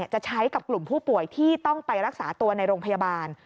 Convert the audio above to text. จะใช้กับกลุ่มผู้ป่วยที่ต้องไปรักษาตัวในโรงพยาบาล